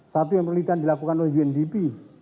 satu yang penelitian dilakukan oleh undp